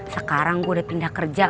sekarang udah pindah kerja